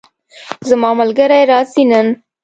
زما ملګری راځي نن